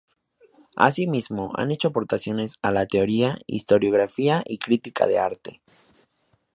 Asimismo, ha hecho aportaciones a la teoría, historiografía y crítica de arte.